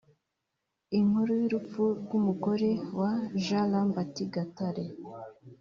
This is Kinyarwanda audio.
Inkuru y’urupfu rw’umugore wa Jean Lambert Gatare